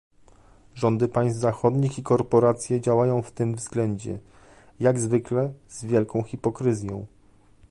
Rządy państw zachodnich i korporacje działają w tym względzie, jak zwykle, z wielką hipokryzją